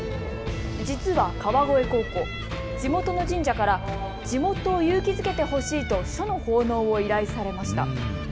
実は川越高校、地元の神社から地元を勇気づけてほしいと書の奉納を依頼されました。